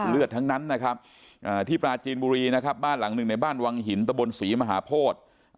เลือดทั้งนั้นนะครับที่ปราจีนบุรีนะครับบ้านหลังหนึ่งในบ้านวังหินตะบนศรีมหาโพธิ